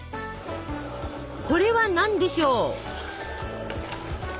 これは何でしょう？